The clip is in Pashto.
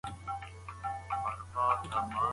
هغه د ټولنیز ژوند په اړه ژور فکر کاوه.